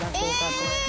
え！